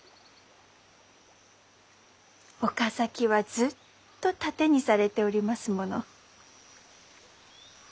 岡崎はずっと盾にされておりますもの。